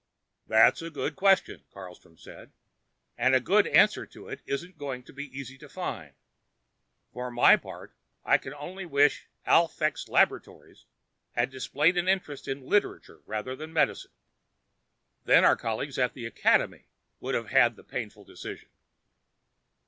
"That's a good question," Carlstrom said, "and a good answer to it isn't going to be easy to find. For my part, I can only wish that Alphax Laboratories had displayed an interest in literature rather than medicine. Then our colleagues at the Academy could have had the painful decision."